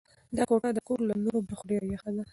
دا کوټه د کور له نورو برخو ډېره یخه ده.